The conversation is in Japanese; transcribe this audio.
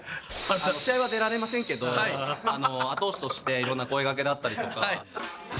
試合は出られませんけど後押しとして色んな声がけだったりとか。